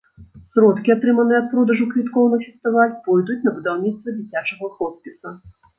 Сродкі, атрыманыя ад продажу квіткоў на фестываль, пойдуць на будаўніцтва дзіцячага хоспіса.